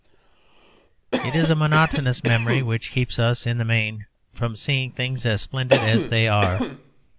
It is a monotonous memory which keeps us in the main from seeing things as splendid as they are.